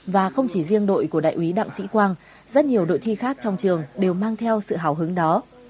và không chỉ riêng đội của đại úy đặng sĩ quang rất nhiều đội thi khác trong trường đều mang theo sự hào hứng đó